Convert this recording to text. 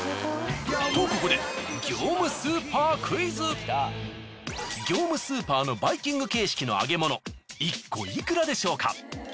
とここで業務スーパーのバイキング形式の揚げ物１個いくらでしょうか？